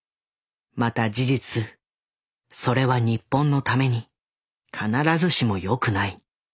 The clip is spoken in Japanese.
また事実それは日本のために必ずしもよくない。